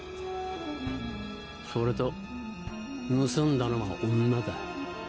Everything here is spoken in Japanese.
それと盗んだのは女だ。